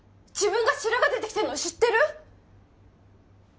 自分が白髪出てきてんの知ってる？